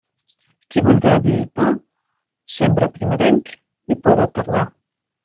Qui vulga vi i pa, sembre primerenc i pode tardà.